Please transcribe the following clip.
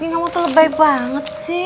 kamu tuh lebay banget sih